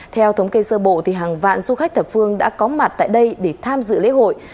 theo thống kê sơ bộ hàng vạn du khách thập phương đã có mặt tại đây để tham dự lễ hội